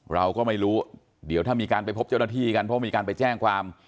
เราก็ไม่รู้เดี๋ยวถ้ามีการไปพบเจ้าหน้าที่กันเพราะมีการไปแจ้งความ